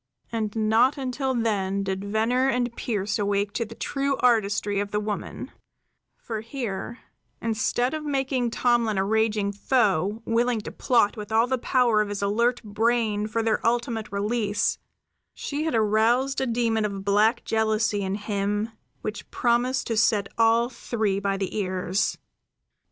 And not until then did Venner and Pearse awake to the true artistry of the woman; for here, instead of making of Tomlin a raging foe, willing to plot with all the power of his alert brain for their ultimate release, she had aroused a demon of black jealousy in him which promised to set all three by the ears.